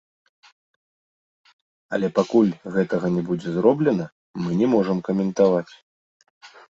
Але пакуль гэтага не будзе зроблена, мы не можам каментаваць.